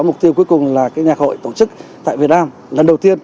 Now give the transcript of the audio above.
mục tiêu cuối cùng là nhạc hội tổ chức tại việt nam lần đầu tiên